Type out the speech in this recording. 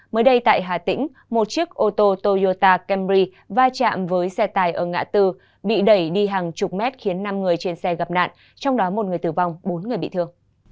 mới đây tại hà tĩnh một chiếc ô tô toyota cambri va chạm với xe tài ở ngã tư bị đẩy đi hàng chục mét khiến năm người trên xe gặp nạn trong đó một người tử vong bốn người bị thương